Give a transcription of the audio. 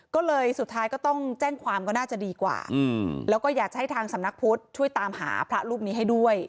ก็เลยสุดท้ายก็ต้องแจ้งความก็น่าจะดีกว่าแล้วก็อยากจะให้ทางสำนักพุทธช่วยตามหาพระรูปนี้ให้ด้วย